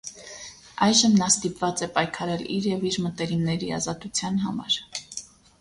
Այժմ նա ստիպված է պայքարել իր և իր մտերիմների ազատության համար։